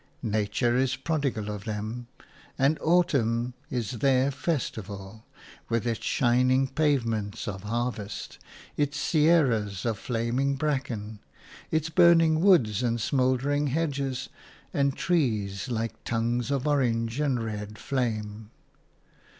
Nature is prodigal of them, and autumn is their festival, with its shining pavements of harvest, its sierras of flaming bracken, its burning woods and smouldering hedges and trees like tongues of orange and red flame.